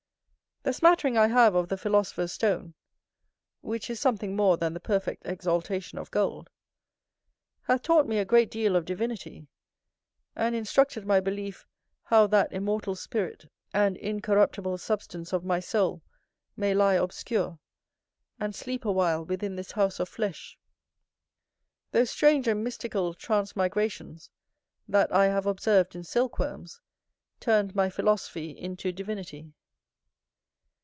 The smattering I have of the philosopher's stone (which is something more than the perfect exaltation of gold) hath taught me a great deal of divinity, and instructed my belief, how that immortal spirit and incorruptible substance of my soul may lie obscure, and sleep a while within this house of flesh. Those strange and mystical transmigrations that I have observed in silkworms turned my philosophy into divinity.